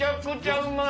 うまい！